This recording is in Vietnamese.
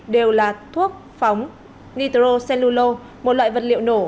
hạt thuốc phóng nitrocellulo một loại vật liệu nổ